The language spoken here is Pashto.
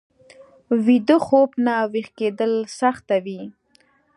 ویده خوب نه ويښ کېدل سخته وي